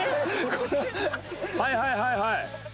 はいはいはいはい。